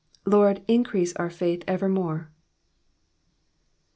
Lord, increase our faith evermore.